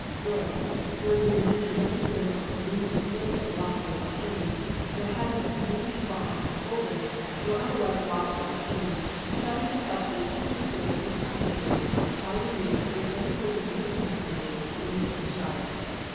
in Goods ; nor being a ncccffary or conre nient Servant lawfully retained •, nor ha ving a convenient Farm or Holding, nor otherwife lawfully retained, fhall be com pelled to be retained to ferve in Hufban dry,. by the Year, with any Per/on ufing Hulban^ry within the fame Shire.